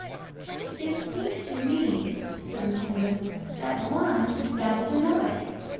"It seems to me," said Lucinda, "that one is as bad as another.